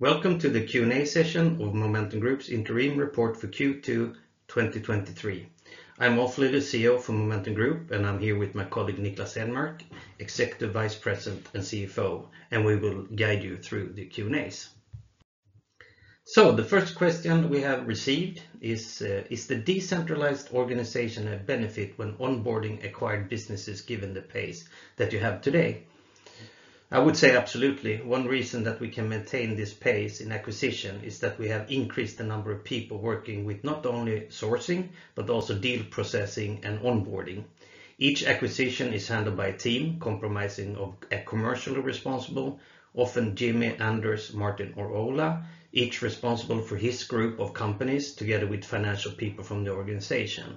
Welcome to the Q&A session of Momentum Group's interim report for Q2 2023. I am Ulf Lilius, CEO for Momentum Group, and I am here with my colleague Niklas Enmark, Executive Vice President and CFO, and we will guide you through the Q&As. The first question we have received is the decentralized organization a benefit when onboarding acquired businesses given the pace that you have today? I would say absolutely. One reason that we can maintain this pace in acquisition is that we have increased the number of people working with not only sourcing, but also deal processing and onboarding. Each acquisition is handled by a team comprising of a commercial responsible, often Jimmy, Anders, Martin, or Ola, each responsible for his group of companies together with financial people from the organization.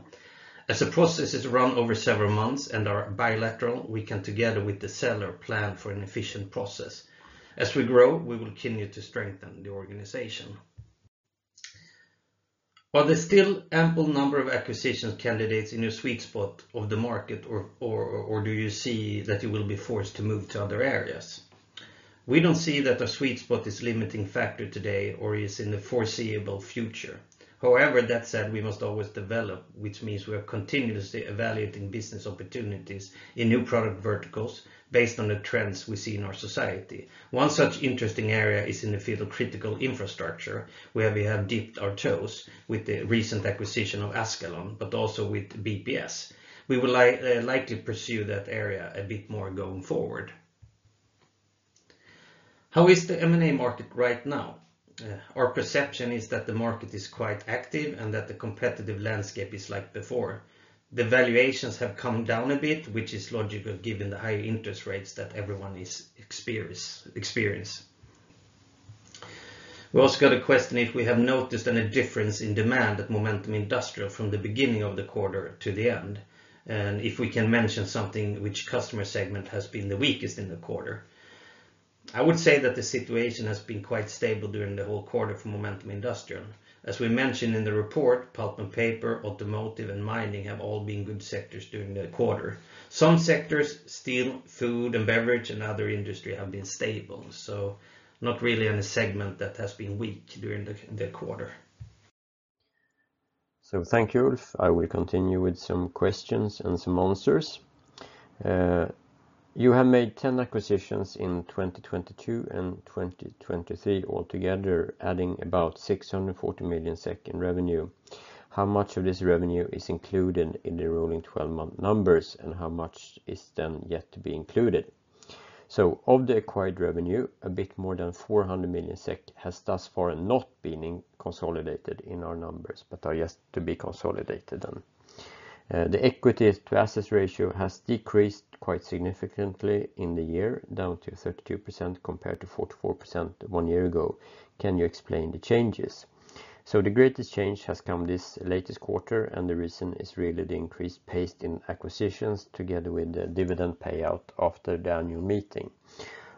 The process is run over several months and are bilateral, we can, together with the seller, plan for an efficient process. As we grow, we will continue to strengthen the organization. Are there still ample number of acquisition candidates in your sweet spot of the market, or do you see that you will be forced to move to other areas? We don't see that our sweet spot is limiting factor today or is in the foreseeable future. That said, we must always develop, which means we are continuously evaluating business opportunities in new product verticals based on the trends we see in our society. One such interesting area is in the field of critical infrastructure, where we have dipped our toes with the recent acquisition of Askalon, but also with BPS. We will likely pursue that area a bit more going forward. How is the M&A market right now? Our perception is that the market is quite active and that the competitive landscape is like before. The valuations have come down a bit, which is logical given the high interest rates that everyone is experiencing. We also got a question if we have noticed any difference in demand at Momentum Industrial from the beginning of the quarter to the end, and if we can mention something which customer segment has been the weakest in the quarter. I would say that the situation has been quite stable during the whole quarter for Momentum Industrial. As we mentioned in the report, pulp and paper, automotive, and mining have all been good sectors during the quarter. Some sectors, steel, food and beverage, and other industry have been stable. Not really any segment that has been weak during the quarter. Thank you, Ulf. I will continue with some questions and some answers. You have made 10 acquisitions in 2022 and 2023 altogether, adding about 640 million SEK in revenue. How much of this revenue is included in the rolling 12-month numbers, and how much is then yet to be included? Of the acquired revenue, a bit more than 400 million SEK has thus far not been consolidated in our numbers, but are yet to be consolidated then. The equity to assets ratio has decreased quite significantly in the year, down to 32% compared to 44% one year ago. Can you explain the changes? The greatest change has come this latest quarter, and the reason is really the increased pace in acquisitions, together with the dividend payout after the annual meeting.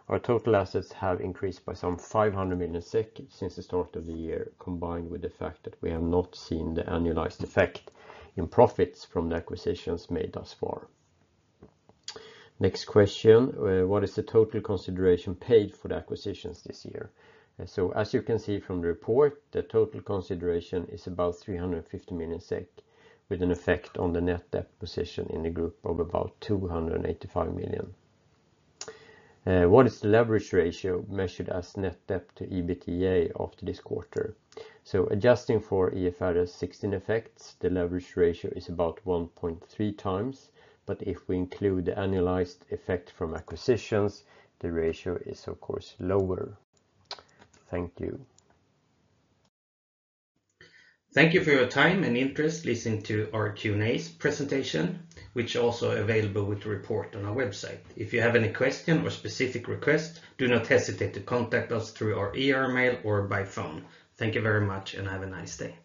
Our total assets have increased by some 500 million SEK since the start of the year, combined with the fact that we have not seen the annualized effect in profits from the acquisitions made thus far. Next question, what is the total consideration paid for the acquisitions this year? As you can see from the report, the total consideration is about 350 million SEK, with an effect on the net debt position in the group of about 285 million. What is the leverage ratio measured as net debt to EBITDA after this quarter? Adjusting for IFRS 16 effects, the leverage ratio is about 1.3 times. If we include the annualized effect from acquisitions, the ratio is of course lower. Thank you. Thank you for your time and interest listening to our Q&A presentation, which also available with the report on our website. If you have any question or specific request, do not hesitate to contact us through our IR mail or by phone. Thank you very much and have a nice day.